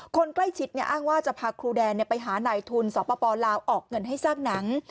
คนใกล้ชิดอ้างว่าจะพาครูแดนไปหานายทุนสปลาวออกเงินให้สร้างหนัง